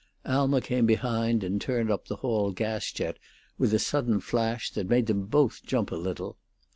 Alma came behind and turned up the hall gas jet with a sudden flash that made them both jump a little.